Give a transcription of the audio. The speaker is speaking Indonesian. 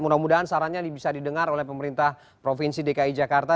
mudah mudahan sarannya bisa didengar oleh pemerintah provinsi dki jakarta